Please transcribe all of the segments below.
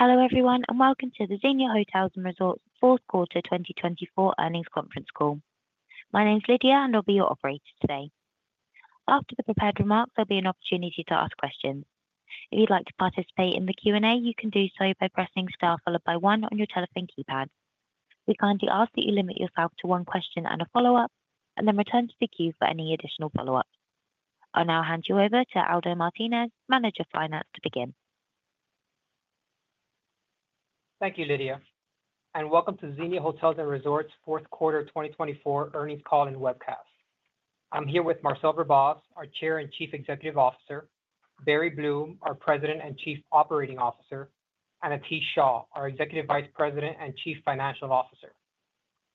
Hello everyone and welcome to the Xenia Hotels & Resorts Fourth Quarter 2024 Earnings Conference Call. My name's Lydia and I'll be your operator today. After the prepared remarks, there'll be an opportunity to ask questions. If you'd like to participate in the Q&A, you can do so by pressing star followed by one on your telephone keypad. We kindly ask that you limit yourself to one question and a follow-up, and then return to the queue for any additional follow-ups. I'll now hand you over to Aldo Martinez, Manager of Finance, to begin. Thank you, Lydia, and welcome to Xenia Hotels & Resorts' fourth quarter 2024 Earnings Call and Webcast. I'm here with Marcel Verbaas, our Chair and Chief Executive Officer; Barry Bloom, our President and Chief Operating Officer; and Atish Shah, our Executive Vice President and Chief Financial Officer.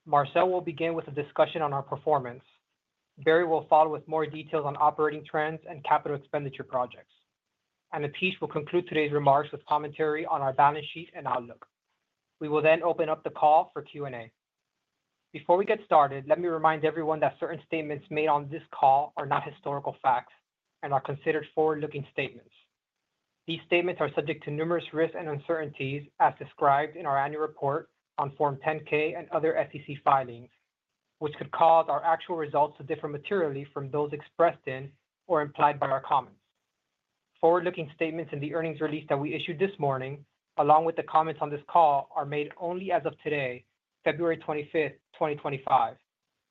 Marcel will begin with a discussion on our performance. Barry will follow with more details on operating trends and capital expenditure projects. And Atish will conclude today's remarks with commentary on our balance sheet and outlook. We will then open up the call for Q&A. Before we get started, let me remind everyone that certain statements made on this call are not historical facts and are considered forward-looking statements. These statements are subject to numerous risks and uncertainties, as described in our annual report on Form 10-K and other SEC filings, which could cause our actual results to differ materially from those expressed in or implied by our comments. Forward-looking statements in the earnings release that we issued this morning, along with the comments on this call, are made only as of today, February 25th, 2025,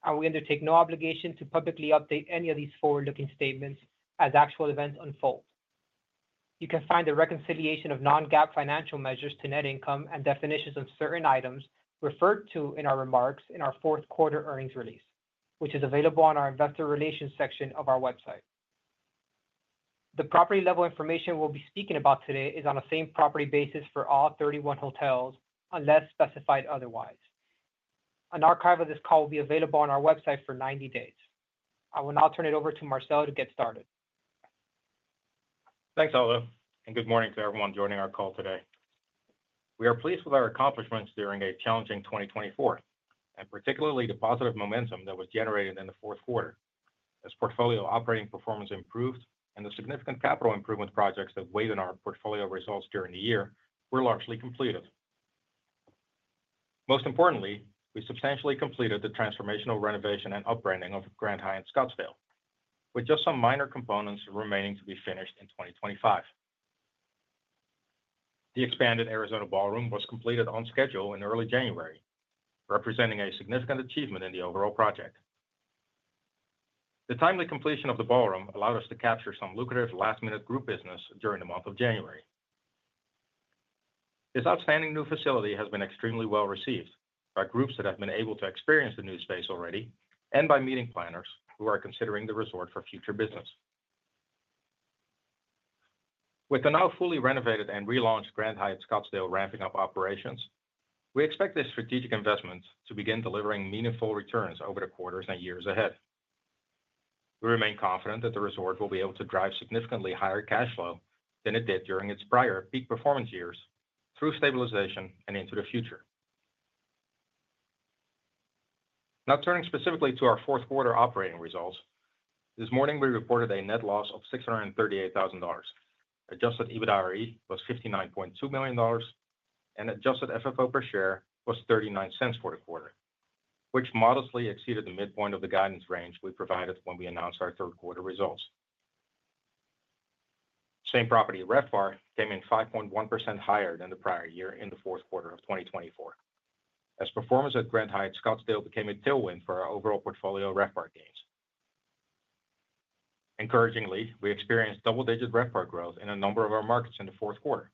and we undertake no obligation to publicly update any of these forward-looking statements as actual events unfold. You can find the reconciliation of non-GAAP financial measures to net income and definitions of certain items referred to in our remarks in our fourth quarter earnings release, which is available on our investor relations section of our website. The property level information we'll be speaking about today is on a same property basis for all 31 hotels unless specified otherwise. An archive of this call will be available on our website for 90 days. I will now turn it over to Marcel to get started. Thanks, Aldo, and good morning to everyone joining our call today. We are pleased with our accomplishments during a challenging 2024, and particularly the positive momentum that was generated in the fourth quarter, as portfolio operating performance improved and the significant capital improvement projects that weighed on our portfolio results during the year were largely completed. Most importantly, we substantially completed the transformational renovation and upbranding of Grand Hyatt Scottsdale, with just some minor components remaining to be finished in 2025. The expanded Arizona Ballroom was completed on schedule in early January, representing a significant achievement in the overall project. The timely completion of the ballroom allowed us to capture some lucrative last-minute group business during the month of January. This outstanding new facility has been extremely well received by groups that have been able to experience the new space already, and by meeting planners who are considering the resort for future business. With the now fully renovated and relaunched Grand Hyatt Scottsdale ramping up operations, we expect this strategic investment to begin delivering meaningful returns over the quarters and years ahead. We remain confident that the resort will be able to drive significantly higher cash flow than it did during its prior peak performance years through stabilization and into the future. Now turning specifically to our fourth quarter operating results, this morning we reported a net loss of $638,000, adjusted EBITDAre was $59.2 million, and adjusted FFO per share was $0.39 for the quarter, which modestly exceeded the midpoint of the guidance range we provided when we announced our third quarter results. Same-property RevPAR came in 5.1% higher than the prior year in the fourth quarter of 2024, as performance at Grand Hyatt Scottsdale became a tailwind for our overall portfolio RevPAR gains. Encouragingly, we experienced double-digit RevPAR growth in a number of our markets in the fourth quarter.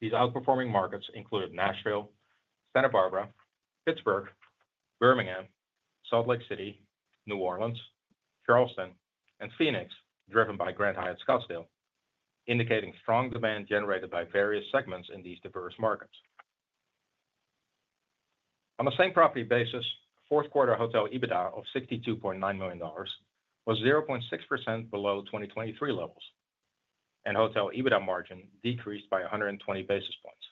These outperforming markets included Nashville, Santa Barbara, Pittsburgh, Birmingham, Salt Lake City, New Orleans, Charleston, and Phoenix, driven by Grand Hyatt Scottsdale, indicating strong demand generated by various segments in these diverse markets. On the same-property basis, fourth quarter hotel EBITDA of $62.9 million was 0.6% below 2023 levels, and hotel EBITDA margin decreased by 120 basis points.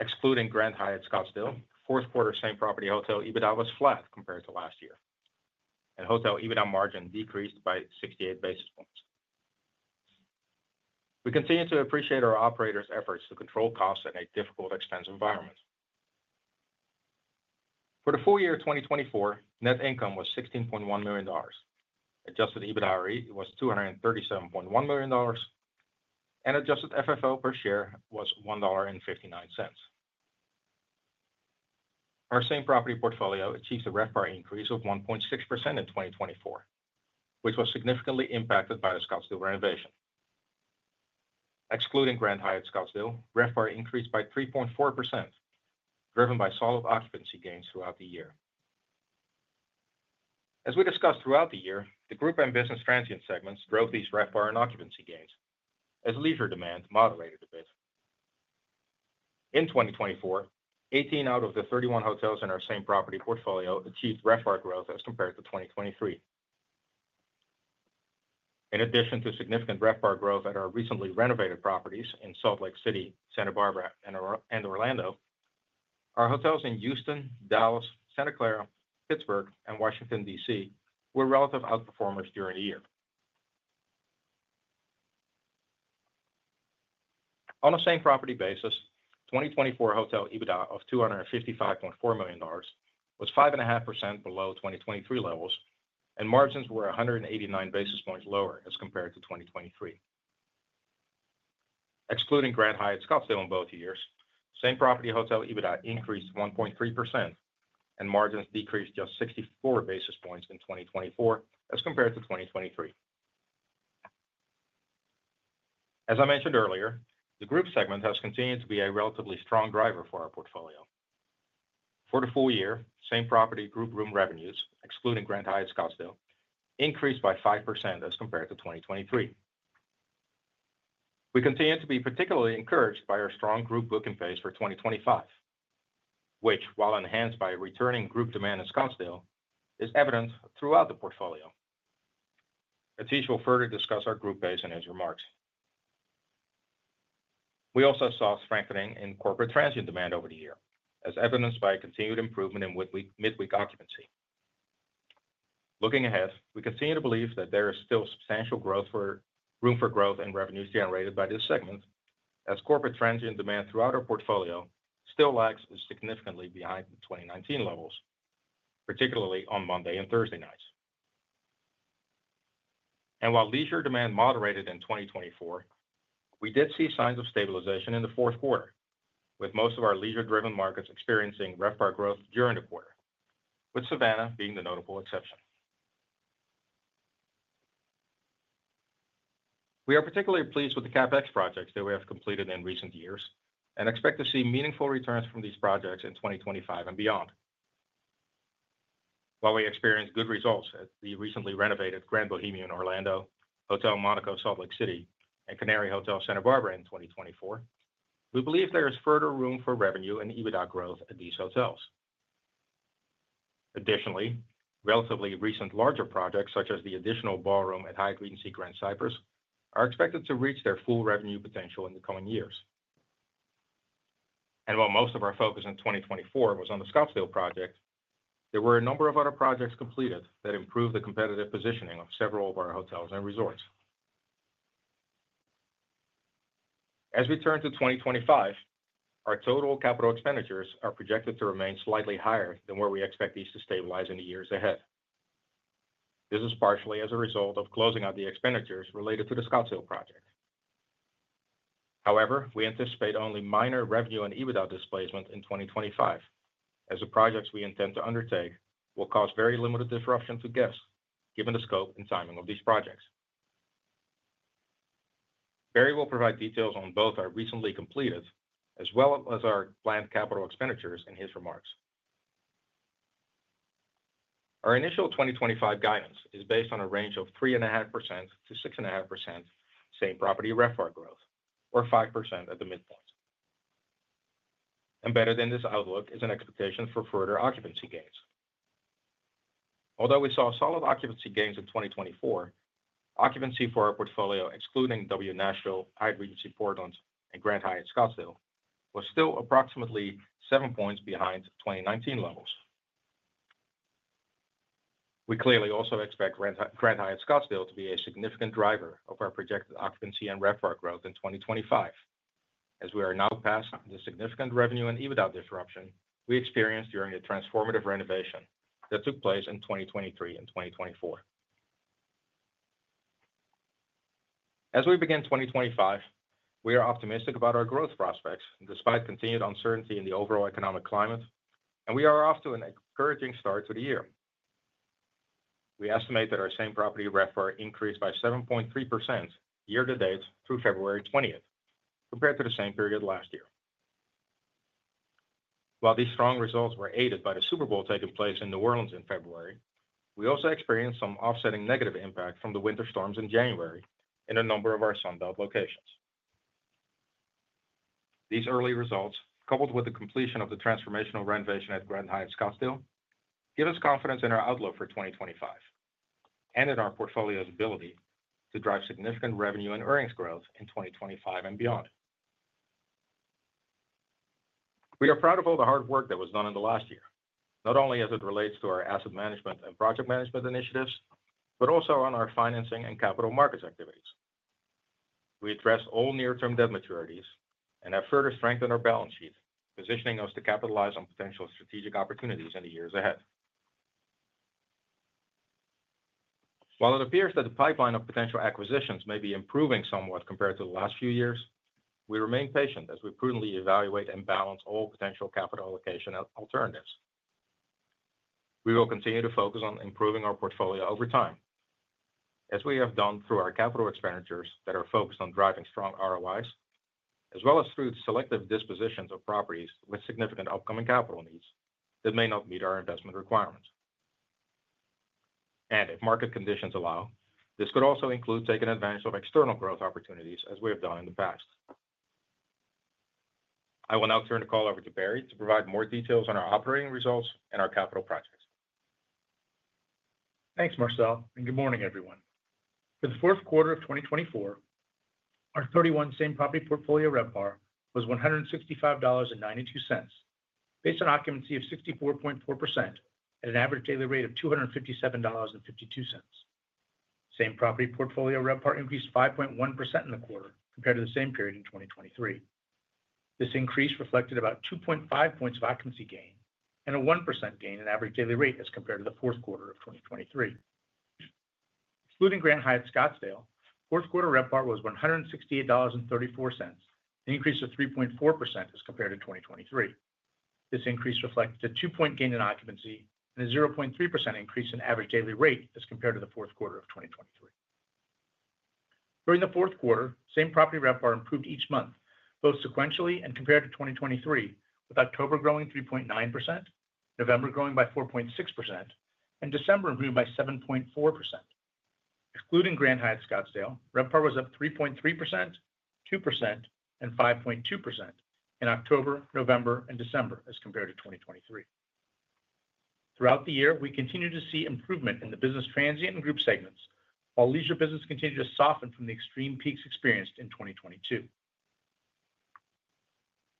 Excluding Grand Hyatt Scottsdale, fourth quarter same-property hotel EBITDA was flat compared to last year, and hotel EBITDA margin decreased by 68 basis points. We continue to appreciate our operators' efforts to control costs in a difficult expense environment. For the full year 2024, net income was $16.1 million, adjusted EBITDAre was $237.1 million, and adjusted FFO per share was $1.59. Our same property portfolio achieved a RevPAR increase of 1.6% in 2024, which was significantly impacted by the Scottsdale renovation. Excluding Grand Hyatt Scottsdale, RevPAR increased by 3.4%, driven by solid occupancy gains throughout the year. As we discussed throughout the year, the group and business transient segments drove these RevPAR and occupancy gains, as leisure demand moderated a bit. In 2024, 18 out of the 31 hotels in our same property portfolio achieved RevPAR growth as compared to 2023. In addition to significant RevPAR growth at our recently renovated properties in Salt Lake City, Santa Barbara, and Orlando, our hotels in Houston, Dallas, Santa Clara, Pittsburgh, and Washington, D.C. were relative outperformers during the year. On the same property basis, 2024 hotel EBITDA of $255.4 million was 5.5% below 2023 levels, and margins were 189 basis points lower as compared to 2023. Excluding Grand Hyatt Scottsdale in both years, same property hotel EBITDA increased 1.3%, and margins decreased just 64 basis points in 2024 as compared to 2023. As I mentioned earlier, the group segment has continued to be a relatively strong driver for our portfolio. For the full year, same property group room revenues, excluding Grand Hyatt Scottsdale, increased by 5% as compared to 2023. We continue to be particularly encouraged by our strong group booking base for 2025, which, while enhanced by returning group demand in Scottsdale, is evident throughout the portfolio. Atish will further discuss our group base in his remarks. We also saw strengthening in corporate transient demand over the year, as evidenced by continued improvement in midweek occupancy. Looking ahead, we continue to believe that there is still substantial room for growth in revenues generated by this segment, as corporate transient demand throughout our portfolio still lags significantly behind the 2019 levels, particularly on Monday and Thursday nights. And while leisure demand moderated in 2024, we did see signs of stabilization in the fourth quarter, with most of our leisure-driven markets experiencing RevPAR growth during the quarter, with Savannah being the notable exception. We are particularly pleased with the CapEx projects that we have completed in recent years and expect to see meaningful returns from these projects in 2025 and beyond. While we experienced good results at the recently renovated Grand Bohemian Orlando, Hotel Monaco Salt Lake City, and Canary Hotel Santa Barbara in 2024, we believe there is further room for revenue and EBITDA growth at these hotels. Additionally, relatively recent larger projects such as the additional ballroom at Hyatt Regency Grand Cypress are expected to reach their full revenue potential in the coming years. While most of our focus in 2024 was on the Scottsdale project, there were a number of other projects completed that improved the competitive positioning of several of our hotels and resorts. As we turn to 2025, our total capital expenditures are projected to remain slightly higher than where we expect these to stabilize in the years ahead. This is partially as a result of closing out the expenditures related to the Scottsdale project. However, we anticipate only minor revenue and EBITDA displacement in 2025, as the projects we intend to undertake will cause very limited disruption to guests given the scope and timing of these projects. Barry will provide details on both our recently completed as well as our planned capital expenditures in his remarks. Our initial 2025 guidance is based on a range of 3.5%-6.5% same property RevPAR growth, or 5% at the midpoint. Embedded in this outlook is an expectation for further occupancy gains. Although we saw solid occupancy gains in 2024, occupancy for our portfolio, excluding W Nashville, Hyatt Regency Portland, and Grand Hyatt Scottsdale, was still approximately 7 points behind 2019 levels. We clearly also expect Grand Hyatt Scottsdale to be a significant driver of our projected occupancy and RevPAR growth in 2025, as we are now past the significant revenue and EBITDA disruption we experienced during the transformative renovation that took place in 2023 and 2024. As we begin 2025, we are optimistic about our growth prospects despite continued uncertainty in the overall economic climate, and we are off to an encouraging start to the year. We estimate that our same-property RevPAR increased by 7.3% year-to-date through February 20th, compared to the same period last year. While these strong results were aided by the Super Bowl taking place in New Orleans in February, we also experienced some offsetting negative impact from the winter storms in January in a number of our Sunbelt locations. These early results, coupled with the completion of the transformational renovation at Grand Hyatt Scottsdale, give us confidence in our outlook for 2025 and in our portfolio's ability to drive significant revenue and earnings growth in 2025 and beyond. We are proud of all the hard work that was done in the last year, not only as it relates to our asset management and project management initiatives, but also on our financing and capital markets activities. We addressed all near-term debt maturities and have further strengthened our balance sheet, positioning us to capitalize on potential strategic opportunities in the years ahead. While it appears that the pipeline of potential acquisitions may be improving somewhat compared to the last few years, we remain patient as we prudently evaluate and balance all potential capital allocation alternatives. We will continue to focus on improving our portfolio over time, as we have done through our capital expenditures that are focused on driving strong ROIs, as well as through selective dispositions of properties with significant upcoming capital needs that may not meet our investment requirements. If market conditions allow, this could also include taking advantage of external growth opportunities, as we have done in the past. I will now turn the call over to Barry to provide more details on our operating results and our capital projects. Thanks, Marcel, and good morning, everyone. For the fourth quarter of 2024, our 31 same-property portfolio RevPAR was $165.92, based on occupancy of 64.4% at an average daily rate of $257.52. Same-property portfolio RevPAR increased 5.1% in the quarter compared to the same period in 2023. This increase reflected about 2.5 points of occupancy gain and a 1% gain in average daily rate as compared to the fourth quarter of 2023. Excluding Grand Hyatt Scottsdale, fourth quarter RevPAR was $168.34, an increase of 3.4% as compared to 2023. This increase reflected a 2-point gain in occupancy and a 0.3% increase in average daily rate as compared to the fourth quarter of 2023. During the fourth quarter, same-property RevPAR improved each month, both sequentially and compared to 2023, with October growing 3.9%, November growing by 4.6%, and December improving by 7.4%. Excluding Grand Hyatt Scottsdale, RevPAR was up 3.3%, 2%, and 5.2% in October, November, and December as compared to 2023. Throughout the year, we continued to see improvement in the business transient and group segments, while leisure business continued to soften from the extreme peaks experienced in 2022.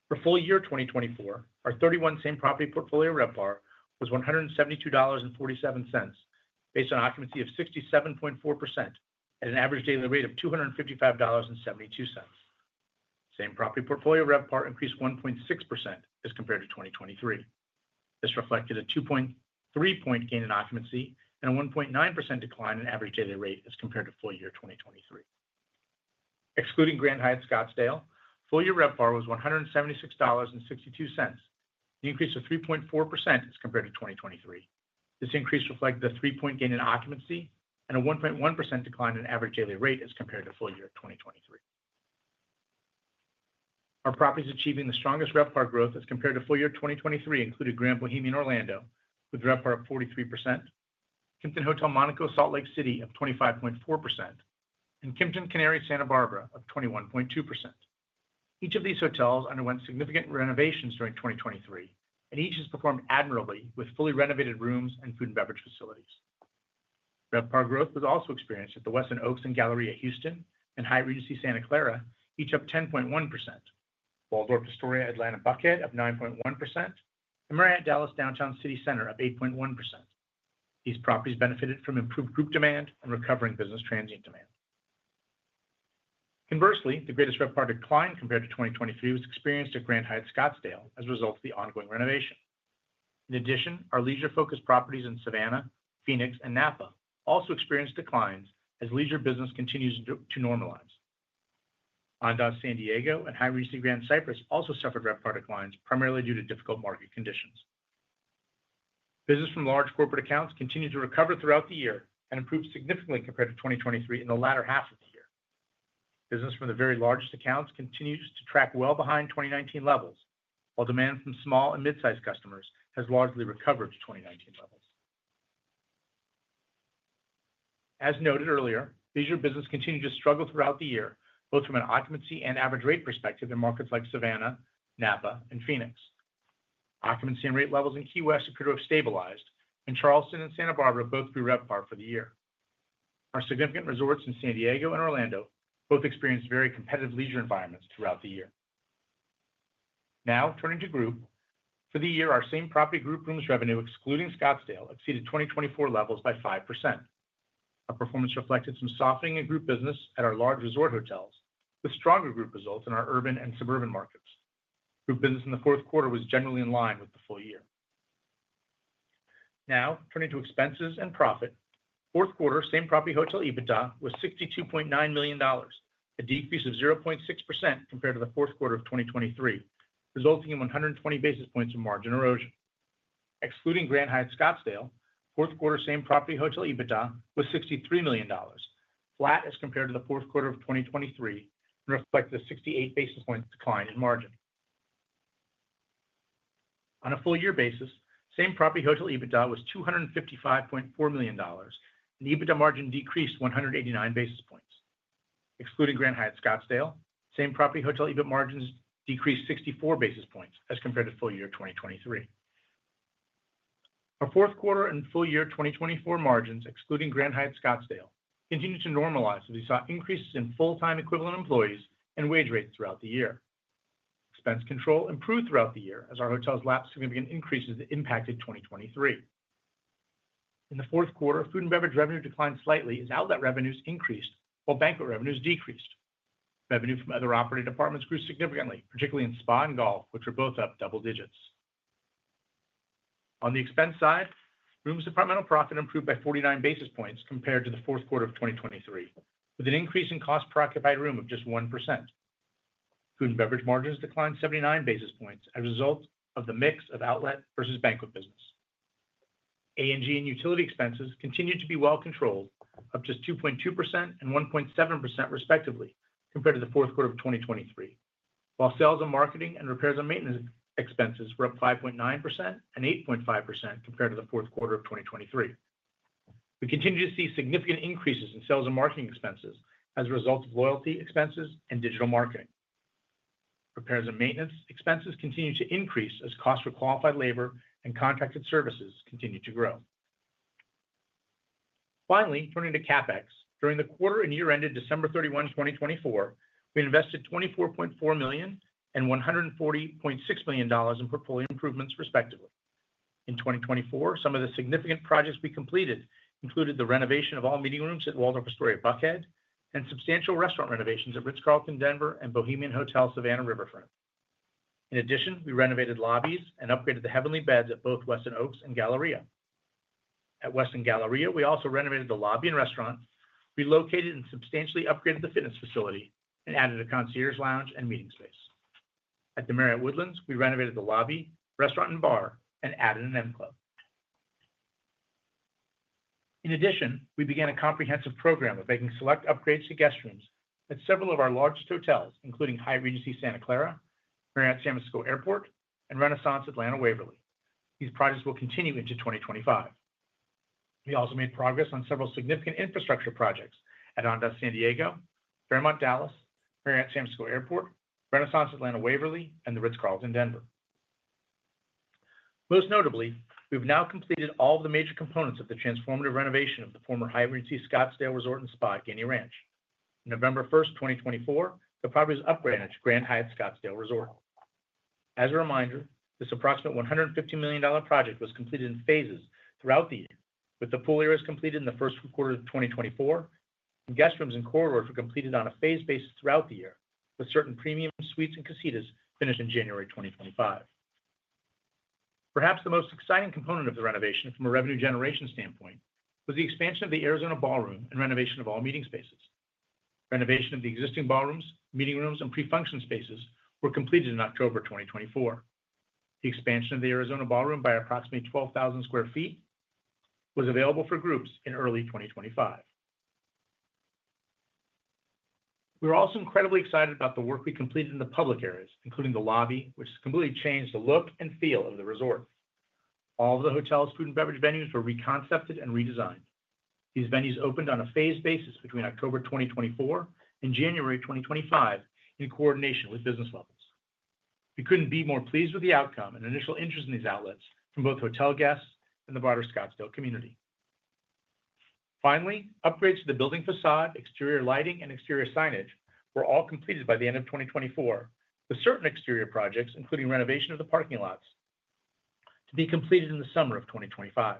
For full year 2024, our 31 same-property portfolio RevPAR was $172.47, based on occupancy of 67.4% at an average daily rate of $255.72. Same-property portfolio RevPAR increased 1.6% as compared to 2023. This reflected a 2.3-point gain in occupancy and a 1.9% decline in average daily rate as compared to full year 2023. Excluding Grand Hyatt Scottsdale, full year RevPAR was $176.62, an increase of 3.4% as compared to 2023. This increase reflected a 3-point gain in occupancy and a 1.1% decline in average daily rate as compared to full year 2023. Our properties achieving the strongest RevPAR growth as compared to full year 2023 included Grand Bohemian Orlando, with RevPAR of 43%, Kimpton Hotel Monaco Salt Lake City of 25.4%, and Kimpton Canary Santa Barbara of 21.2%. Each of these hotels underwent significant renovations during 2023, and each has performed admirably with fully renovated rooms and food and beverage facilities. RevPAR growth was also experienced at the Westin Oaks Houston and Westin Galleria Houston and Hyatt Regency Santa Clara, each up 10.1%, Waldorf Astoria Atlanta Buckhead of 9.1%, and Dallas Marriott Downtown of 8.1%. These properties benefited from improved group demand and recovering business transient demand. Conversely, the greatest RevPAR decline compared to 2023 was experienced at Grand Hyatt Scottsdale as a result of the ongoing renovation. In addition, our leisure-focused properties in Savannah, Phoenix, and Napa also experienced declines as leisure business continues to normalize. Andaz San Diego and Hyatt Regency Grand Cypress also suffered RevPAR declines, primarily due to difficult market conditions. Business from large corporate accounts continued to recover throughout the year and improved significantly compared to 2023 in the latter half of the year. Business from the very largest accounts continues to track well behind 2019 levels, while demand from small and mid-sized customers has largely recovered to 2019 levels. As noted earlier, leisure business continued to struggle throughout the year, both from an occupancy and average rate perspective in markets like Savannah, Napa, and Phoenix. Occupancy and rate levels in Key West appear to have stabilized, and Charleston and Santa Barbara both grew RevPAR for the year. Our significant resorts in San Diego and Orlando both experienced very competitive leisure environments throughout the year. Now, turning to group, for the year, our same property group rooms revenue, excluding Scottsdale, exceeded 2024 levels by 5%. Our performance reflected some softening in group business at our large resort hotels, with stronger group results in our urban and suburban markets. Group business in the fourth quarter was generally in line with the full year. Now, turning to expenses and profit, fourth quarter same property hotel EBITDA was $62.9 million, a decrease of 0.6% compared to the fourth quarter of 2023, resulting in 120 basis points of margin erosion. Excluding Grand Hyatt Scottsdale, fourth quarter same property hotel EBITDA was $63 million, flat as compared to the fourth quarter of 2023, and reflected a 68 basis point decline in margin. On a full year basis, same property hotel EBITDA was $255.4 million, and EBITDA margin decreased 189 basis points. Excluding Grand Hyatt Scottsdale, same-property hotel EBITDA margins decreased 64 basis points as compared to full year 2023. Our fourth quarter and full year 2024 margins, excluding Grand Hyatt Scottsdale, continued to normalize as we saw increases in full-time equivalent employees and wage rates throughout the year. Expense control improved throughout the year as our hotels lapped significant increases that impacted 2023. In the fourth quarter, food and beverage revenue declined slightly as outlet revenues increased, while banquet revenues decreased. Revenue from other operating departments grew significantly, particularly in spa and golf, which were both up double digits. On the expense side, rooms departmental profit improved by 49 basis points compared to the fourth quarter of 2023, with an increase in cost per occupied room of just 1%. Food and beverage margins declined 79 basis points as a result of the mix of outlet versus banquet business. A&G and utility expenses continued to be well controlled, up just 2.2% and 1.7% respectively compared to the fourth quarter of 2023, while sales and marketing and repairs and maintenance expenses were up 5.9% and 8.5% compared to the fourth quarter of 2023. We continue to see significant increases in sales and marketing expenses as a result of loyalty expenses and digital marketing. Repairs and maintenance expenses continued to increase as costs for qualified labor and contracted services continued to grow. Finally, turning to CapEx, during the quarter and year-ended December 31, 2024, we invested $24.4 million and $140.6 million in portfolio improvements, respectively. In 2024, some of the significant projects we completed included the renovation of all meeting rooms at Waldorf Astoria Buckhead and substantial restaurant renovations at Ritz-Carlton, Denver, and Bohemian Hotel Savannah Riverfront. In addition, we renovated lobbies and upgraded the Heavenly Beds at both Westin Oaks and Galleria. At Westin Galleria, we also renovated the lobby and restaurant, relocated and substantially upgraded the fitness facility, and added a concierge lounge and meeting space. At the Marriott Woodlands Waterway, we renovated the lobby, restaurant, and bar, and added an M Club. In addition, we began a comprehensive program of making select upgrades to guest rooms at several of our largest hotels, including Hyatt Regency Santa Clara, Marriott San Francisco Airport, and Renaissance Atlanta Waverly. These projects will continue into 2025. We also made progress on several significant infrastructure projects at Andaz San Diego, Fairmont Dallas, Marriott San Francisco Airport, Renaissance Atlanta Waverly, and the Ritz-Carlton, Denver. Most notably, we've now completed all of the major components of the transformative renovation of the former Hyatt Regency Scottsdale Resort and Spa at Gainey Ranch. On November 1, 2024, the property was upgraded to Grand Hyatt Scottsdale Resort. As a reminder, this approximate $150 million project was completed in phases throughout the year, with the pool areas completed in the first quarter of 2024, and guest rooms and corridors were completed on a phased basis throughout the year, with certain premium suites and casitas finished in January 2025. Perhaps the most exciting component of the renovation, from a revenue generation standpoint, was the expansion of the Arizona Ballroom and renovation of all meeting spaces. Renovation of the existing ballrooms, meeting rooms, and pre-function spaces were completed in October 2024. The expansion of the Arizona Ballroom by approximately 12,000 sq ft was available for groups in early 2025. We were also incredibly excited about the work we completed in the public areas, including the lobby, which completely changed the look and feel of the resort. All of the hotel's food and beverage venues were reconcepted and redesigned. These venues opened on a phased basis between October 2024 and January 2025, in coordination with business levels. We couldn't be more pleased with the outcome and initial interest in these outlets from both hotel guests and the broader Scottsdale community. Finally, upgrades to the building facade, exterior lighting, and exterior signage were all completed by the end of 2024, with certain exterior projects, including renovation of the parking lots, to be completed in the summer of 2025.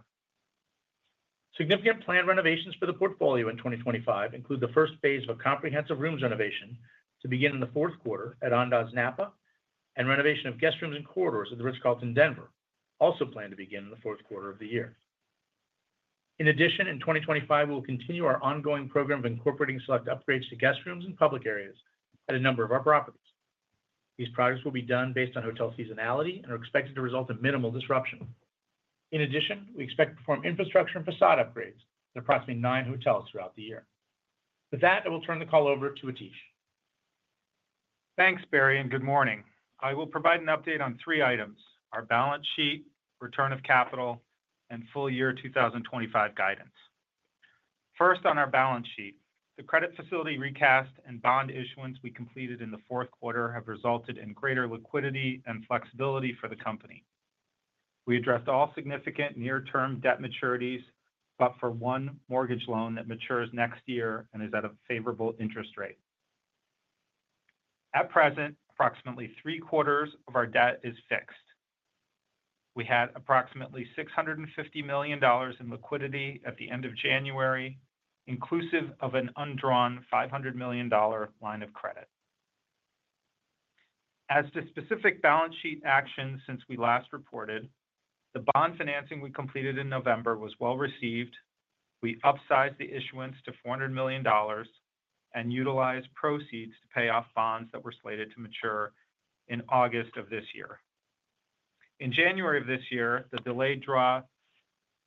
Significant planned renovations for the portfolio in 2025 include the first phase of a comprehensive rooms renovation to begin in the fourth quarter at Andaz Napa and renovation of guest rooms and corridors at the Ritz-Carlton, Denver, also planned to begin in the fourth quarter of the year. In addition, in 2025, we will continue our ongoing program of incorporating select upgrades to guest rooms and public areas at a number of our properties. These projects will be done based on hotel seasonality and are expected to result in minimal disruption. In addition, we expect to perform infrastructure and facade upgrades at approximately nine hotels throughout the year. With that, I will turn the call over to Atish. Thanks, Barry, and good morning. I will provide an update on three items: our balance sheet, return of capital, and full year 2025 guidance. First, on our balance sheet, the credit facility recast and bond issuance we completed in the fourth quarter have resulted in greater liquidity and flexibility for the company. We addressed all significant near-term debt maturities, but for one mortgage loan that matures next year and is at a favorable interest rate. At present, approximately three quarters of our debt is fixed. We had approximately $650 million in liquidity at the end of January, inclusive of an undrawn $500 million line of credit. As to specific balance sheet actions since we last reported, the bond financing we completed in November was well received. We upsized the issuance to $400 million and utilized proceeds to pay off bonds that were slated to mature in August of this year. In January of this year, the delayed draw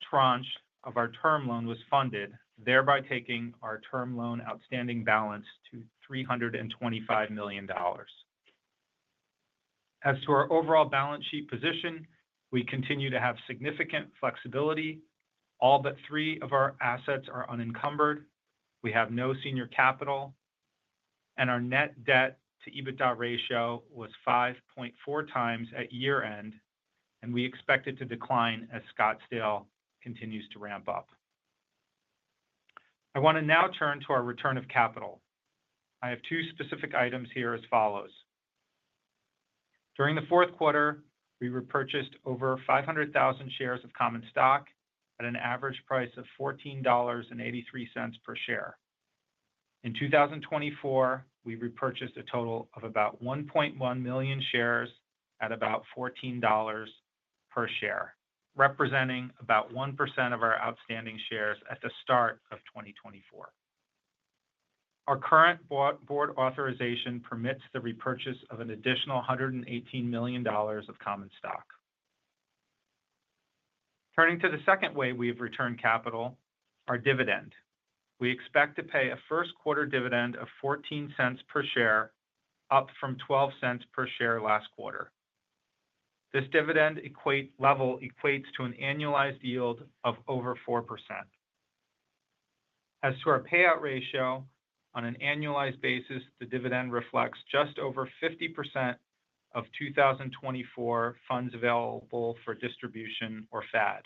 tranche of our term loan was funded, thereby taking our term loan outstanding balance to $325 million. As to our overall balance sheet position, we continue to have significant flexibility. All but three of our assets are unencumbered. We have no senior capital, and our net debt-to-EBITDA ratio was 5.4x at year-end, and we expect it to decline as Scottsdale continues to ramp up. I want to now turn to our return of capital. I have two specific items here as follows. During the fourth quarter, we repurchased over 500,000 shares of common stock at an average price of $14.83 per share. In 2024, we repurchased a total of about 1.1 million shares at about $14 per share, representing about 1% of our outstanding shares at the start of 2024. Our current board authorization permits the repurchase of an additional $118 million of common stock. Turning to the second way we have returned capital, our dividend, we expect to pay a first quarter dividend of $0.14 per share, up from $0.12 per share last quarter. This dividend level equates to an annualized yield of over 4%. As to our payout ratio, on an annualized basis, the dividend reflects just over 50% of 2024 funds available for distribution or FAD.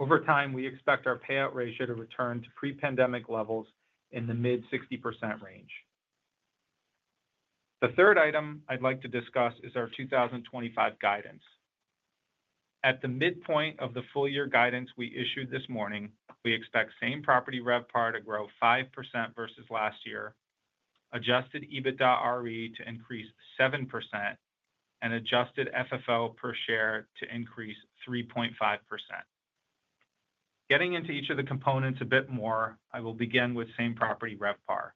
Over time, we expect our payout ratio to return to pre-pandemic levels in the mid-60% range. The third item I'd like to discuss is our 2025 guidance. At the midpoint of the full year guidance we issued this morning, we expect same-property RevPAR to grow 5% versus last year, adjusted EBITDAre to increase 7%, and adjusted FFO per share to increase 3.5%. Getting into each of the components a bit more, I will begin with same-property RevPAR.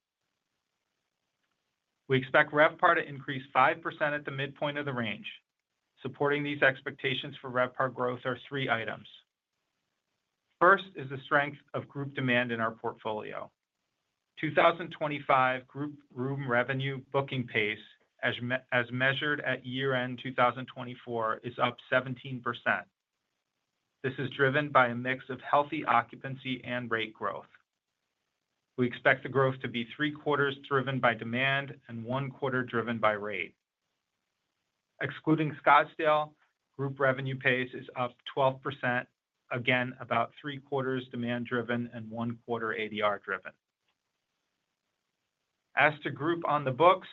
We expect RevPAR to increase 5% at the midpoint of the range. Supporting these expectations for RevPAR growth are three items. First is the strength of group demand in our portfolio. 2025 group room revenue booking pace, as measured at year-end 2024, is up 17%. This is driven by a mix of healthy occupancy and rate growth. We expect the growth to be three quarters driven by demand and one quarter driven by rate. Excluding Scottsdale, group revenue pace is up 12%, again about three quarters demand-driven and one quarter ADR-driven. As to group on the books,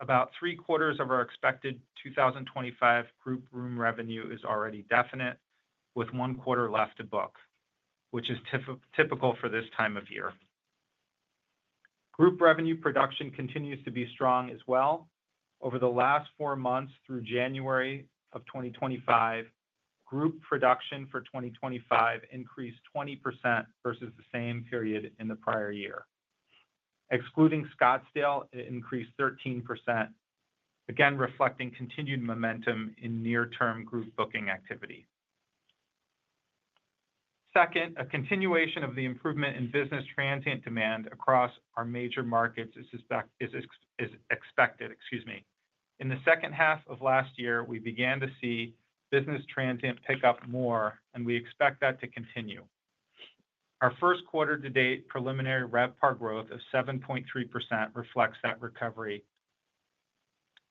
about three quarters of our expected 2025 group room revenue is already definite, with one quarter left to book, which is typical for this time of year. Group revenue production continues to be strong as well. Over the last four months through January of 2025, group production for 2025 increased 20% versus the same period in the prior year. Excluding Scottsdale, it increased 13%, again reflecting continued momentum in near-term group booking activity. Second, a continuation of the improvement in business transient demand across our major markets is expected. Excuse me. In the second half of last year, we began to see business transient pick up more, and we expect that to continue. Our first quarter-to-date preliminary RevPAR growth of 7.3% reflects that recovery.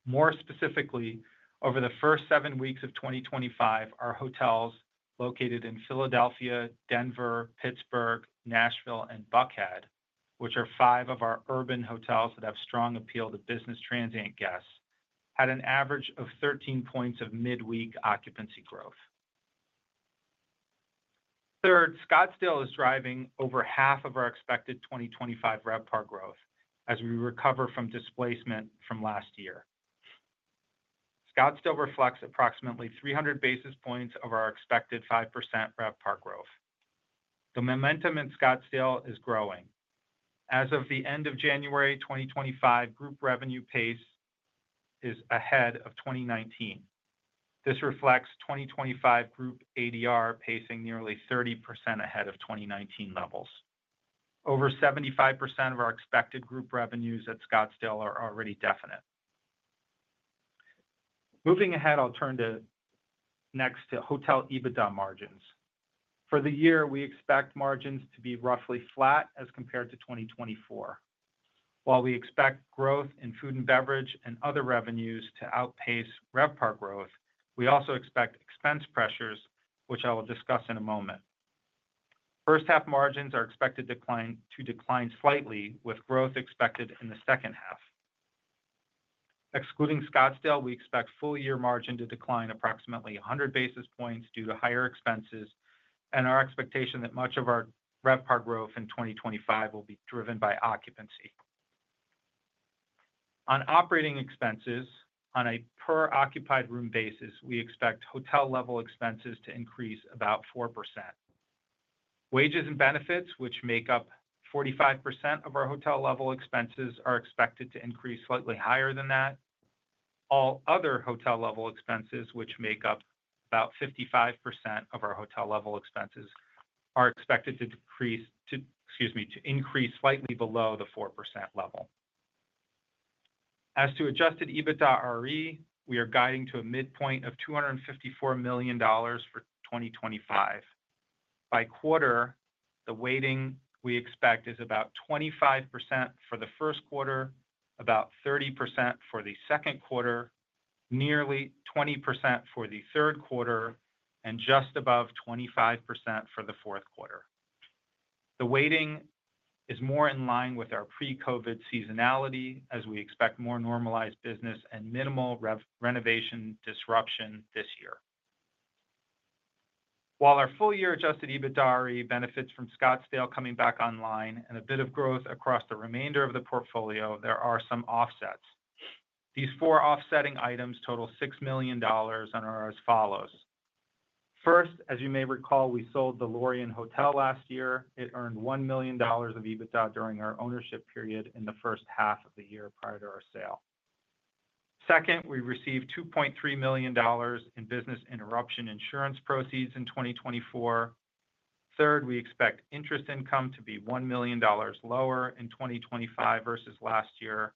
More specifically, over the first seven weeks of 2025, our hotels located in Philadelphia, Denver, Pittsburgh, Nashville, and Buckhead, which are five of our urban hotels that have strong appeal to business transient guests, had an average of 13 points of mid-week occupancy growth. Third, Scottsdale is driving over half of our expected 2025 RevPAR growth as we recover from displacement from last year. Scottsdale reflects approximately 300 basis points of our expected 5% RevPAR growth. The momentum in Scottsdale is growing. As of the end of January 2025, group revenue pace is ahead of 2019. This reflects 2025 group ADR pacing nearly 30% ahead of 2019 levels. Over 75% of our expected group revenues at Scottsdale are already definite. Moving ahead, I'll turn next to hotel EBITDA margins. For the year, we expect margins to be roughly flat as compared to 2024. While we expect growth in food and beverage and other revenues to outpace RevPAR growth, we also expect expense pressures, which I will discuss in a moment. First half margins are expected to decline slightly, with growth expected in the second half. Excluding Scottsdale, we expect full year margin to decline approximately 100 basis points due to higher expenses, and our expectation that much of our RevPAR growth in 2025 will be driven by occupancy. On operating expenses, on a per-occupied room basis, we expect hotel-level expenses to increase about 4%. Wages and benefits, which make up 45% of our hotel-level expenses, are expected to increase slightly higher than that. All other hotel-level expenses, which make up about 55% of our hotel-level expenses, are expected to increase slightly below the 4% level. As to adjusted EBITDAre, we are guiding to a midpoint of $254 million for 2025. By quarter, the weighting we expect is about 25% for the first quarter, about 30% for the second quarter, nearly 20% for the third quarter, and just above 25% for the fourth quarter. The weighting is more in line with our pre-COVID seasonality, as we expect more normalized business and minimal renovation disruption this year. While our full year adjusted EBITDAre benefits from Scottsdale coming back online and a bit of growth across the remainder of the portfolio, there are some offsets. These four offsetting items total $6 million and are as follows. First, as you may recall, we sold the Lorien Hotel last year. It earned $1 million of EBITDA during our ownership period in the first half of the year prior to our sale. Second, we received $2.3 million in business interruption insurance proceeds in 2024. Third, we expect interest income to be $1 million lower in 2025 versus last year.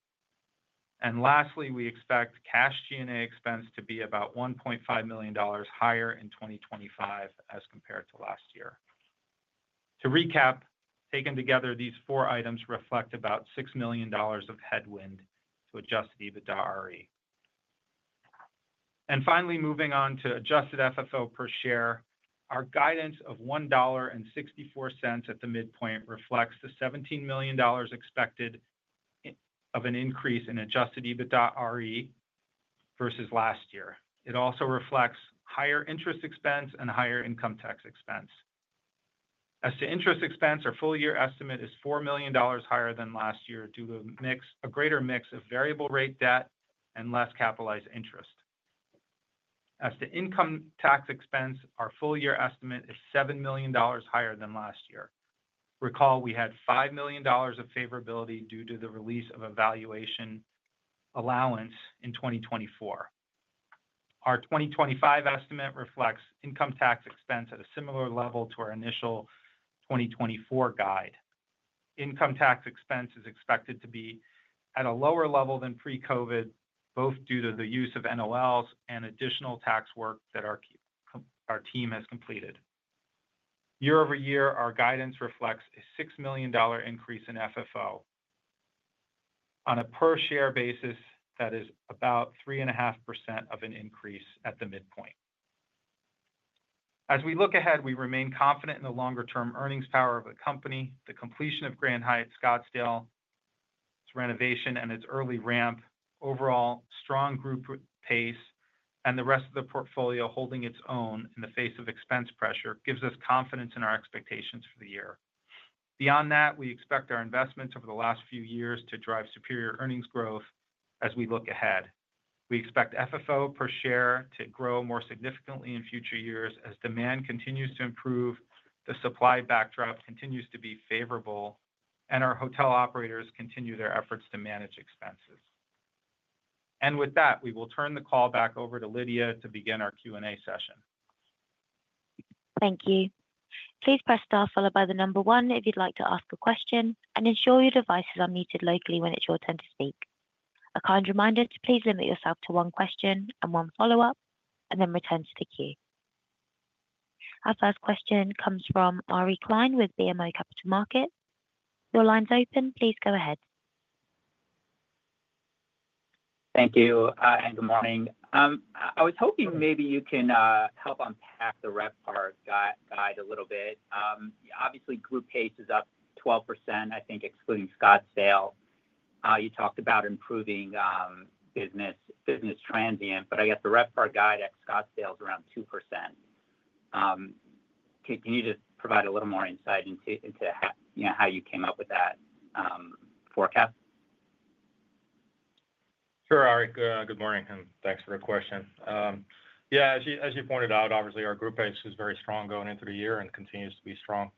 And lastly, we expect cash G&A expense to be about $1.5 million higher in 2025 as compared to last year. To recap, taken together, these four items reflect about $6 million of headwind to adjusted EBITDAre. And finally, moving on to adjusted FFO per share, our guidance of $1.64 at the midpoint reflects the $17 million expected of an increase in adjusted EBITDAre versus last year. It also reflects higher interest expense and higher income tax expense. As to interest expense, our full year estimate is $4 million higher than last year due to a greater mix of variable rate debt and less capitalized interest. As to income tax expense, our full year estimate is $7 million higher than last year. Recall, we had $5 million of favorability due to the release of a valuation allowance in 2024. Our 2025 estimate reflects income tax expense at a similar level to our initial 2024 guide. Income tax expense is expected to be at a lower level than pre-COVID, both due to the use of NOLs and additional tax work that our team has completed. Year over year, our guidance reflects a $6 million increase in FFO on a per-share basis that is about 3.5% of an increase at the midpoint. As we look ahead, we remain confident in the longer-term earnings power of the company. The completion of Grand Hyatt Scottsdale, its renovation and its early ramp, overall strong group pace, and the rest of the portfolio holding its own in the face of expense pressure gives us confidence in our expectations for the year. Beyond that, we expect our investments over the last few years to drive superior earnings growth as we look ahead. We expect FFO per share to grow more significantly in future years as demand continues to improve, the supply backdrop continues to be favorable, and our hotel operators continue their efforts to manage expenses, and with that, we will turn the call back over to Lydia to begin our Q&A session. Thank you. Please press star followed by the number one if you'd like to ask a question, and ensure your devices are muted locally when it's your turn to speak. A kind reminder to please limit yourself to one question and one follow-up and then return to the queue. Our first question comes from Ari Klein with BMO Capital Markets. Your line's open. Please go ahead. Thank you. And good morning. I was hoping maybe you can help unpack the RevPAR guide a little bit. Obviously, group pace is up 12%, I think, excluding Scottsdale. You talked about improving business transient, but I guess the RevPAR guide at Scottsdale is around 2%. Can you just provide a little more insight into how you came up with that forecast? Sure, Ari. Good morning, and thanks for the question. Yeah, as you pointed out, obviously, our group pace is very strong going into the year and continues to be strong.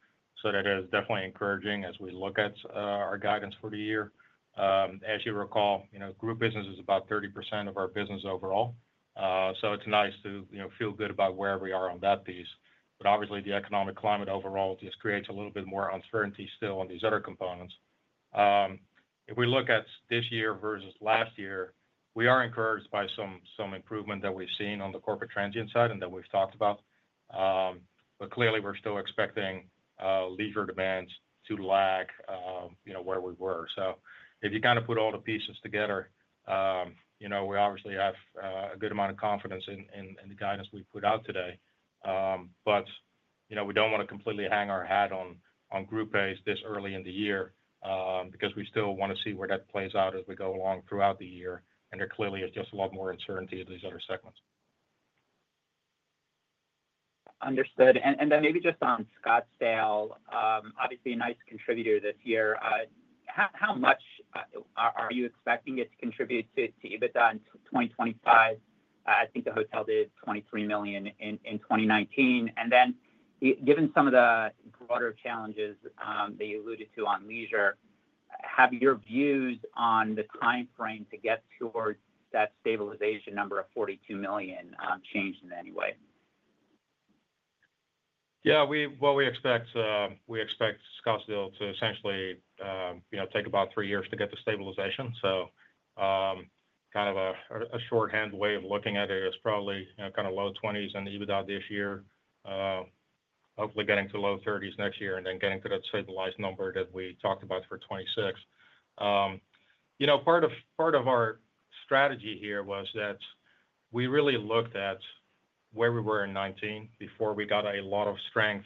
So that is definitely encouraging as we look at our guidance for the year. As you recall, group business is about 30% of our business overall. So it's nice to feel good about where we are on that piece. But obviously, the economic climate overall just creates a little bit more uncertainty still on these other components. If we look at this year versus last year, we are encouraged by some improvement that we've seen on the corporate transient side and that we've talked about. But clearly, we're still expecting leisure demands to lag where we were. So if you kind of put all the pieces together, we obviously have a good amount of confidence in the guidance we put out today. But we don't want to completely hang our hat on group pace this early in the year because we still want to see where that plays out as we go along throughout the year. And there clearly is just a lot more uncertainty in these other segments. Understood. Then maybe just on Scottsdale, obviously a nice contributor this year. How much are you expecting it to contribute to EBITDA in 2025? I think the hotel did $23 million in 2019. Then given some of the broader challenges that you alluded to on leisure, have your views on the timeframe to get towards that stabilization number of $42 million changed in any way? Yeah, well, we expect Scottsdale to essentially take about three years to get to stabilization. So kind of a shorthand way of looking at it is probably kind of low 20s on EBITDA this year, hopefully getting to low 30s next year, and then getting to that stabilized number that we talked about for 2026. Part of our strategy here was that we really looked at where we were in 2019 before we got a lot of strength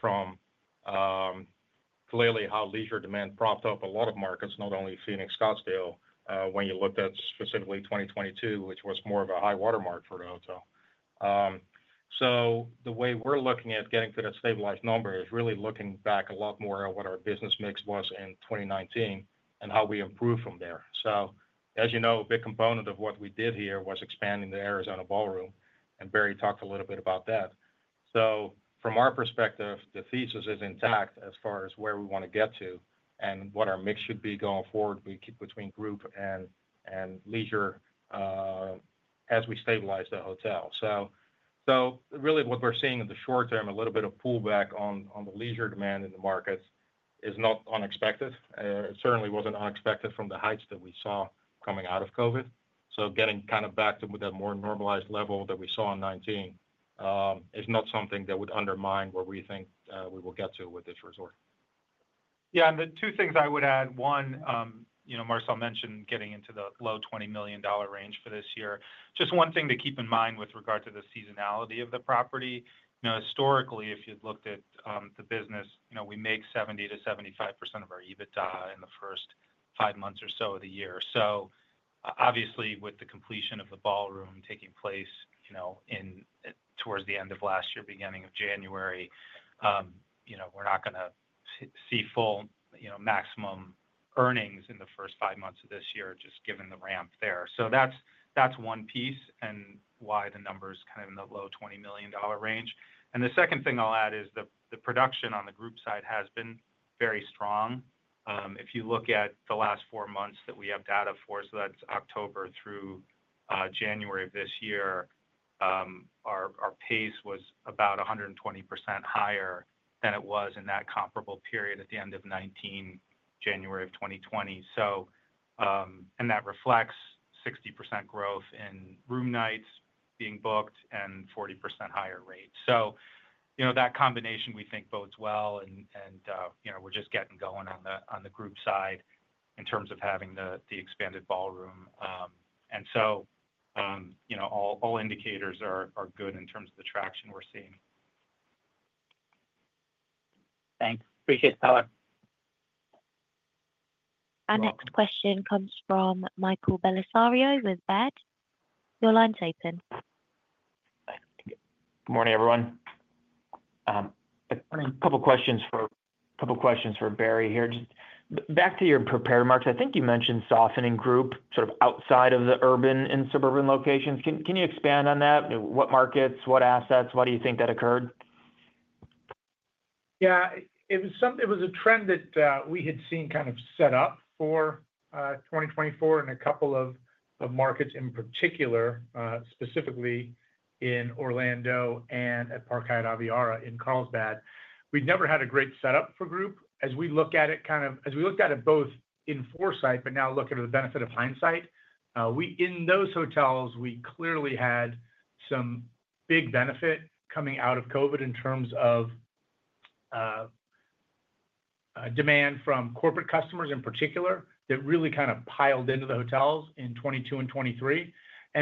from clearly how leisure demand propped up a lot of markets, not only Phoenix, Scottsdale, when you looked at specifically 2022, which was more of a high watermark for the hotel. So the way we're looking at getting to that stabilized number is really looking back a lot more at what our business mix was in 2019 and how we improved from there. So as you know, a big component of what we did here was expanding the Arizona Ballroom, and Barry talked a little bit about that. So from our perspective, the thesis is intact as far as where we want to get to and what our mix should be going forward between group and leisure as we stabilize the hotel. So really what we're seeing in the short term, a little bit of pullback on the leisure demand in the markets is not unexpected. It certainly wasn't unexpected from the heights that we saw coming out of COVID. So getting kind of back to that more normalized level that we saw in 2019 is not something that would undermine where we think we will get to with this resort. Yeah, and the two things I would add. One, Marcel mentioned getting into the low $20 million range for this year. Just one thing to keep in mind with regard to the seasonality of the property. Historically, if you've looked at the business, we make 70%-75% of our EBITDA in the first five months or so of the year. So obviously, with the completion of the ballroom taking place towards the end of last year, beginning of January, we're not going to see full maximum earnings in the first five months of this year, just given the ramp there. So that's one piece and why the number is kind of in the low $20 million range. And the second thing I'll add is the production on the group side has been very strong. If you look at the last four months that we have data for, so that's October through January of this year, our pace was about 120% higher than it was in that comparable period at the end of 2019, January of 2020, and that reflects 60% growth in room nights being booked and 40% higher rate, so that combination, we think, bodes well, and we're just getting going on the group side in terms of having the expanded ballroom, and so all indicators are good in terms of the traction we're seeing. Thanks. Appreciate the color. Our next question comes from Michael Bellisario with Baird. Your line's open. Good morning, everyone. A couple of questions for Barry here. Back to your prepared remarks, I think you mentioned softening group sort of outside of the urban and suburban locations. Can you expand on that? What markets, what assets, why do you think that occurred? Yeah, it was a trend that we had seen kind of set up for 2024 in a couple of markets in particular, specifically in Orlando and at Park Hyatt Aviara in Carlsbad. We'd never had a great setup for group. As we look at it both in foresight, but now look at the benefit of hindsight, in those hotels, we clearly had some big benefit coming out of COVID in terms of demand from corporate customers in particular that really kind of piled into the hotels in 2022 and 2023.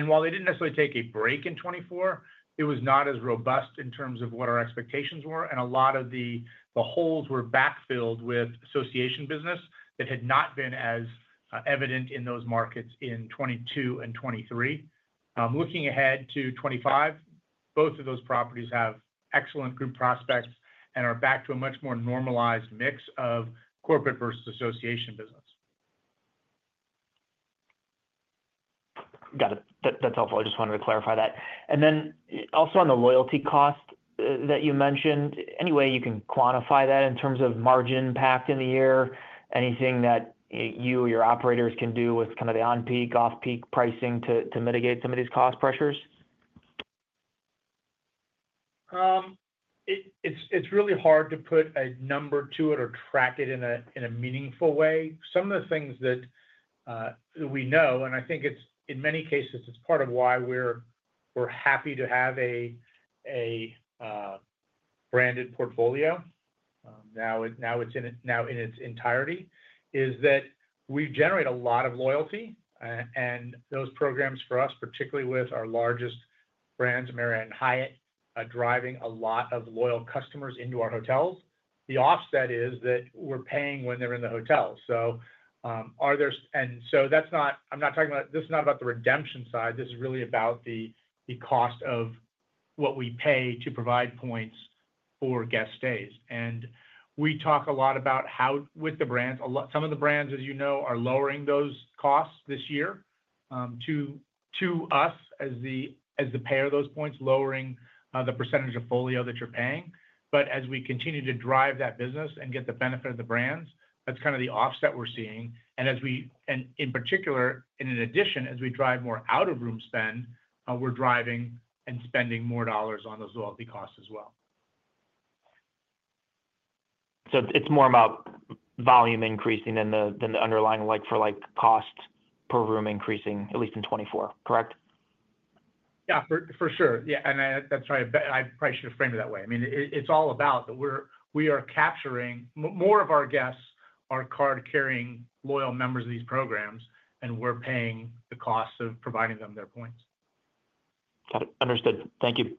While they didn't necessarily take a break in 2024, it was not as robust in terms of what our expectations were. A lot of the holes were backfilled with association business that had not been as evident in those markets in 2022 and 2023. Looking ahead to 2025, both of those properties have excellent group prospects and are back to a much more normalized mix of corporate versus association business. Got it. That's helpful. I just wanted to clarify that. And then also on the loyalty cost that you mentioned, any way you can quantify that in terms of margin impact in the year? Anything that you or your operators can do with kind of the on-peak, off-peak pricing to mitigate some of these cost pressures? It's really hard to put a number to it or track it in a meaningful way. Some of the things that we know, and I think in many cases, it's part of why we're happy to have a branded portfolio now in its entirety, is that we generate a lot of loyalty, and those programs for us, particularly with our largest brands, Marriott and Hyatt, are driving a lot of loyal customers into our hotels. The offset is that we're paying when they're in the hotel, and so I'm not talking about the redemption side. This is really about the cost of what we pay to provide points for guest stays. We talk a lot about how with the brands, some of the brands, as you know, are lowering those costs this year to us as the payer of those points, lowering the percentage of folio that you're paying. As we continue to drive that business and get the benefit of the brands, that's kind of the offset we're seeing. In particular, in addition, as we drive more out-of-room spend, we're driving and spending more dollars on those loyalty costs as well. So it's more about volume increasing than the underlying for cost per room increasing, at least in 2024, correct? Yeah, for sure. Yeah. And that's right. I probably should have framed it that way. I mean, it's all about that we are capturing more of our guests are card-carrying loyal members of these programs, and we're paying the cost of providing them their points. Got it. Understood. Thank you.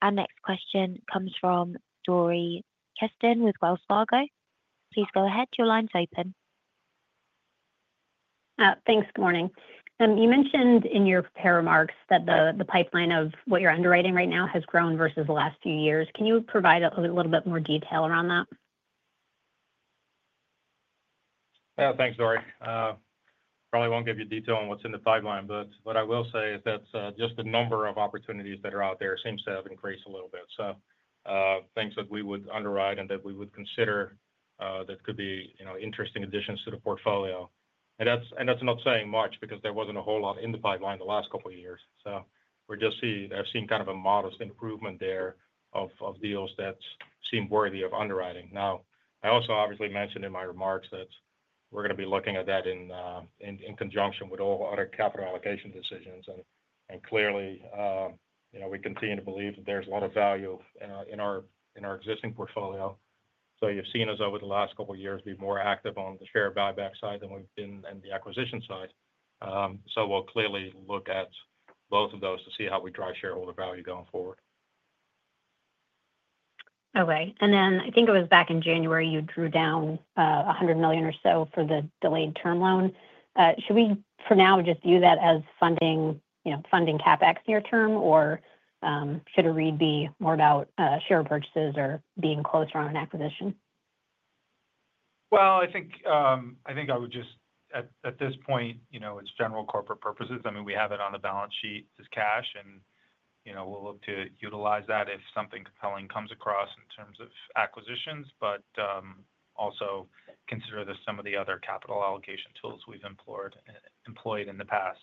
Our next question comes from Dori Kesten with Wells Fargo. Please go ahead. Your line's open. Thanks. Good morning. You mentioned in your prepared remarks that the pipeline of what you're underwriting right now has grown versus the last few years. Can you provide a little bit more detail around that? Yeah, thanks, Dori. Probably won't give you detail on what's in the pipeline, but what I will say is that just the number of opportunities that are out there seems to have increased a little bit, so things that we would underwrite and that we would consider that could be interesting additions to the portfolio, and that's not saying much because there wasn't a whole lot in the pipeline the last couple of years, so we're just seeing I've seen kind of a modest improvement there of deals that seem worthy of underwriting. Now, I also obviously mentioned in my remarks that we're going to be looking at that in conjunction with all other capital allocation decisions, and clearly, we continue to believe that there's a lot of value in our existing portfolio. So you've seen us over the last couple of years be more active on the share buyback side than we've been in the acquisition side. So we'll clearly look at both of those to see how we drive shareholder value going forward. Okay. And then I think it was back in January, you drew down $100 million or so for the delayed term loan. Should we for now just view that as funding CapEx near term, or should it really be more about share purchases or being closer on an acquisition? I think I would just, at this point, it's general corporate purposes. I mean, we have it on the balance sheet as cash, and we'll look to utilize that if something compelling comes across in terms of acquisitions but also consider some of the other capital allocation tools we've employed in the past.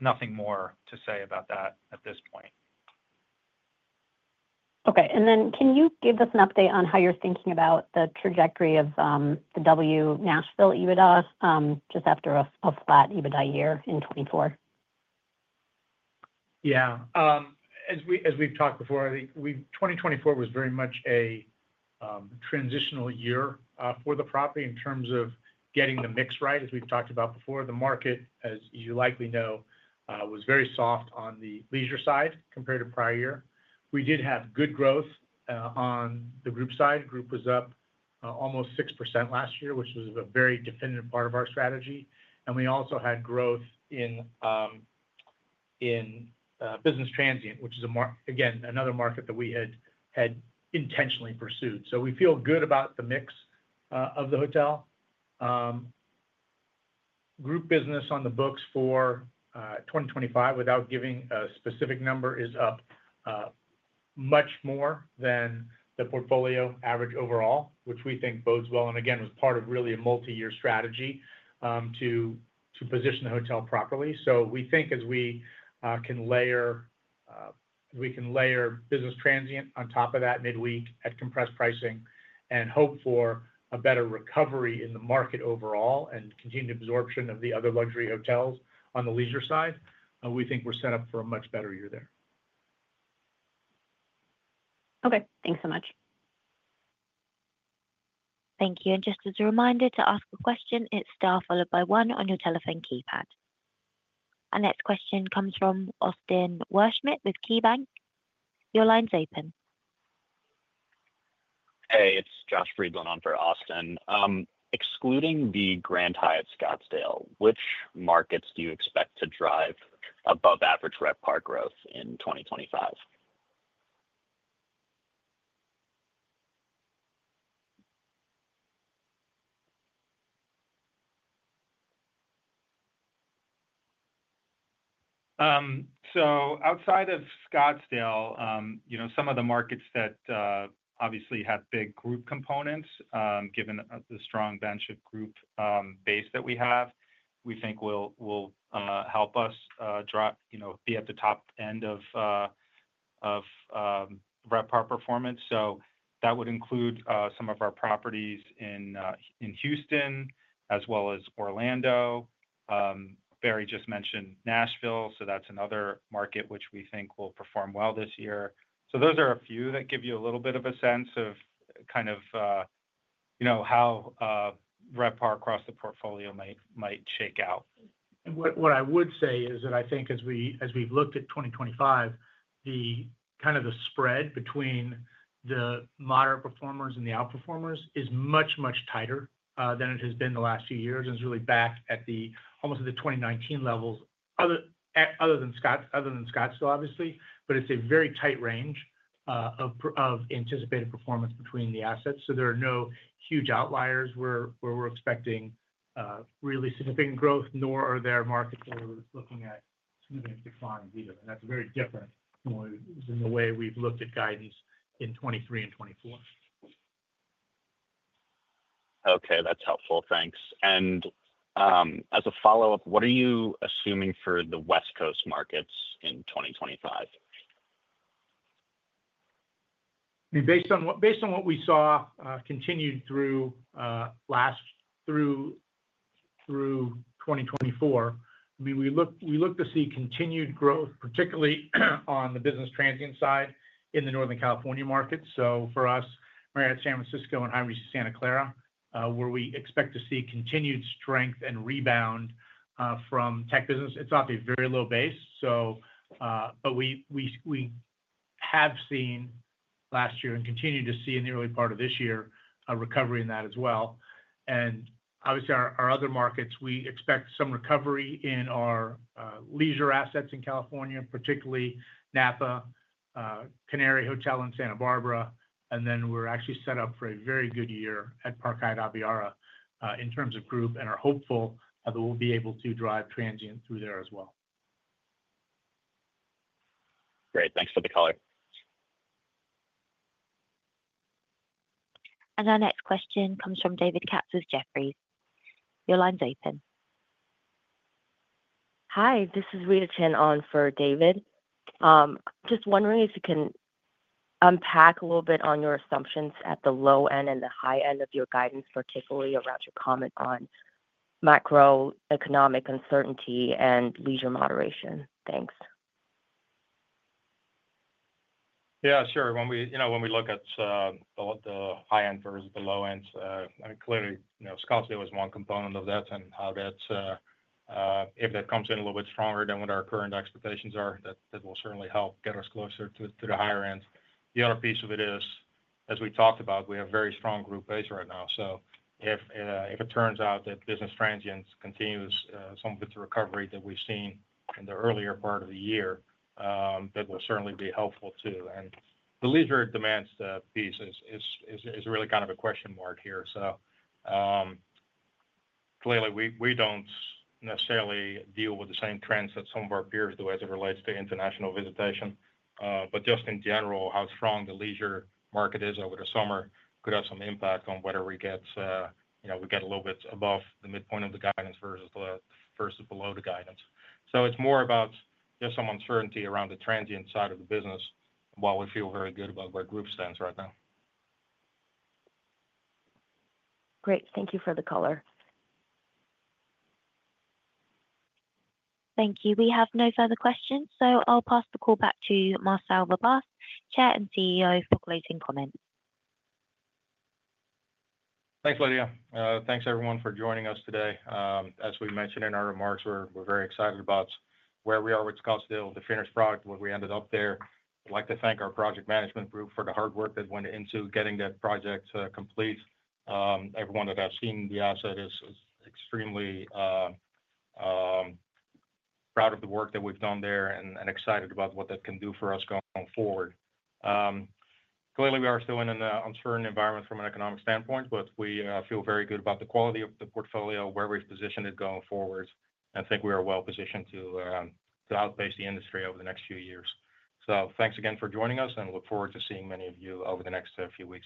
Nothing more to say about that at this point. Okay. And then can you give us an update on how you're thinking about the trajectory of the W Nashville EBITDA just after a flat EBITDA year in 2024? Yeah. As we've talked before, I think 2024 was very much a transitional year for the property in terms of getting the mix right, as we've talked about before. The market, as you likely know, was very soft on the leisure side compared to prior year. We did have good growth on the group side. Group was up almost 6% last year, which was a very definitive part of our strategy. And we also had growth in business transient, which is, again, another market that we had intentionally pursued. So we feel good about the mix of the hotel. Group business on the books for 2025, without giving a specific number, is up much more than the portfolio average overall, which we think bodes well and, again, was part of really a multi-year strategy to position the hotel properly. So, we think as we can layer business transient on top of that midweek at compressed pricing and hope for a better recovery in the market overall and continued absorption of the other luxury hotels on the leisure side. We think we're set up for a much better year there. Okay. Thanks so much. Thank you. And just as a reminder to ask a question, it's star followed by one on your telephone keypad. Our next question comes from Austin Wurschmidt with KeyBanc. Your line's open. Hey, it's Josh Friedland on for Austin. Excluding the Grand Hyatt Scottsdale, which markets do you expect to drive above-average RevPAR growth in 2025? So outside of Scottsdale, some of the markets that obviously have big group components, given the strong bench of group base that we have, we think will help us be at the top end of RevPAR performance. So that would include some of our properties in Houston as well as Orlando. Barry just mentioned Nashville, so that's another market which we think will perform well this year. So those are a few that give you a little bit of a sense of kind of how RevPAR across the portfolio might shake out. What I would say is that I think as we've looked at 2025, kind of the spread between the moderate performers and the outperformers is much, much tighter than it has been the last few years and is really back at almost at the 2019 levels, other than Scottsdale, obviously. But it's a very tight range of anticipated performance between the assets. So there are no huge outliers where we're expecting really significant growth, nor are there markets where we're looking at significant declines either. And that's very different from the way we've looked at guidance in 2023 and 2024. Okay. That's helpful. Thanks. And as a follow-up, what are you assuming for the West Coast markets in 2025? I mean, based on what we saw continued through 2024, I mean, we look to see continued growth, particularly on the business transient side in the Northern California market. So for us, Marriott San Francisco, and I'm using Santa Clara, where we expect to see continued strength and rebound from tech business. It's off a very low base, but we have seen last year and continue to see in the early part of this year a recovery in that as well. Obviously, our other markets, we expect some recovery in our leisure assets in California, particularly Napa, Canary Hotel in Santa Barbara. Then we're actually set up for a very good year at Park Hyatt Aviara in terms of group and are hopeful that we'll be able to drive transient through there as well. Great. Thanks for the color. And our next question comes from David Katz with Jefferies. Your line's open. Hi. This is Rita Chen on for David. Just wondering if you can unpack a little bit on your assumptions at the low end and the high end of your guidance, particularly around your comment on macroeconomic uncertainty and leisure moderation? Thanks. Yeah, sure. When we look at the high end versus the low end, clearly, Scottsdale is one component of that and how that if that comes in a little bit stronger than what our current expectations are, that will certainly help get us closer to the higher end. The other piece of it is, as we talked about, we have a very strong group base right now. So if it turns out that business transient continues some of its recovery that we've seen in the earlier part of the year, that will certainly be helpful too. And the leisure demands piece is really kind of a question mark here. So clearly, we don't necessarily deal with the same trends that some of our peers do as it relates to international visitation. But just in general, how strong the leisure market is over the summer could have some impact on whether we get a little bit above the midpoint of the guidance versus below the guidance. So it's more about just some uncertainty around the transient side of the business while we feel very good about where group stands right now. Great. Thank you for the color. Thank you. We have no further questions. So I'll pass the call back to Marcel Verbaas, Chair and CEO, for closing comments. Thanks, Lydia. Thanks, everyone, for joining us today. As we mentioned in our remarks, we're very excited about where we are with Scottsdale, the finished product, what we ended up there. I'd like to thank our project management group for the hard work that went into getting that project complete. Everyone that has seen the asset is extremely proud of the work that we've done there and excited about what that can do for us going forward. Clearly, we are still in an uncertain environment from an economic standpoint, but we feel very good about the quality of the portfolio, where we've positioned it going forward, and think we are well positioned to outpace the industry over the next few years. So thanks again for joining us, and look forward to seeing many of you over the next few weeks.